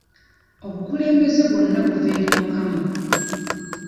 Obukulembeze bwonna buva eri Mukama.